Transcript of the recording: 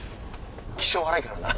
気性荒いからな。